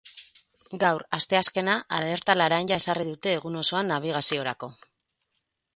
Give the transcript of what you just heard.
Gaur, asteazkena, alerta laranja ezarri dute egun osoan nabigaziorako.